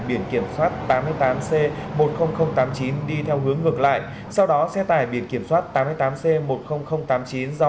biển kiểm soát tám mươi tám c một mươi nghìn tám mươi chín đi theo hướng ngược lại sau đó xe tải biển kiểm soát tám mươi tám c một mươi nghìn tám mươi chín do